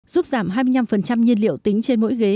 giúp giảm hai mươi năm nhiên liệu tính trên mỗi ghế